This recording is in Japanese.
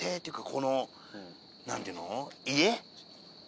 この何ていうの。